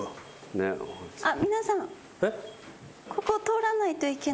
あっ皆さん。